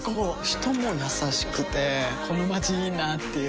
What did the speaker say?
人も優しくてこのまちいいなぁっていう